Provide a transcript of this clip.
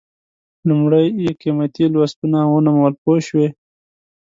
لومړی یې قیمتي لوستونه ونومول پوه شوې!.